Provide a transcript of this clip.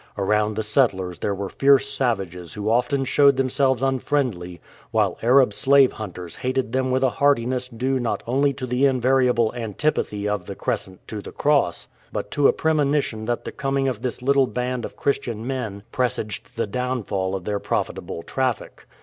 Around the settlers there were fierce savages who often showed themselves unfriendly, while Ai'ab slave hunters hated them with a heartiness due not only to the invariable antipathy of the Crescent to the Cross, but to a premonition that the coming of this little band of Christian men presaged the downfall of their profit able traffic.